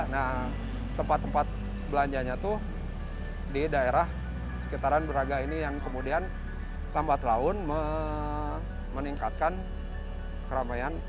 nah tempat tempat belanjanya itu di daerah sekitaran braga ini yang kemudian lambat laun meningkatkan keramaian